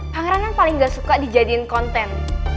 pangeran kan paling gak suka dijadiin konten